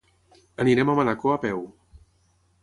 Anirem a Manacor a peu.